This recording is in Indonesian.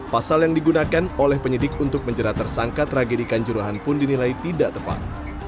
pasal yang digunakan oleh penyidik untuk menjerat tersangka tragedi kanjuruhan pun dinilai tidak tepat